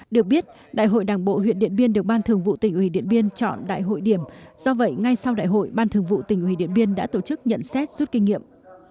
được biết đại hội đảng bộ huyện điện biên được ban thường vụ tỉnh ủy điện biên chọn đại hội điểm do vậy ngay sau đại hội ban thường vụ tỉnh ủy điện biên đã tổ chức nhận xét rút kinh nghiệm